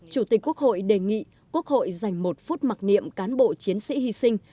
chủ tịch quốc hội đề nghị quốc hội dành một phút mặc niệm cán bộ chiến sĩ hy sinh